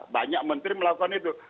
banyak menteri melakukan itu